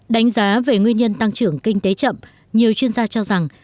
đánh giá về nguyên nhân tăng trưởng kinh tế chậm nhiều chuyên gia cho rằng